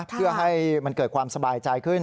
เพื่อให้มันเกิดความสบายใจขึ้น